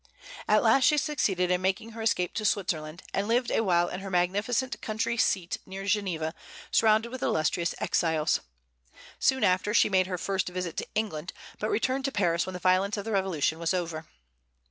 At last she succeeded in making her escape to Switzerland, and lived a while in her magnificent country seat near Geneva, surrounded with illustrious exiles. Soon after, she made her first visit to England, but returned to Paris when the violence of the Revolution was over.